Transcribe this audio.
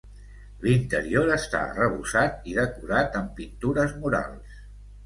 L'interior està arrebossat i decorat amb pintures murals.